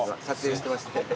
撮影してまして。